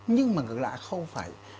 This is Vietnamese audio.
nhưng mà cực lạ không phải